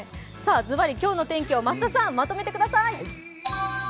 ズバリ、今日の天気を増田さん、まとめてください。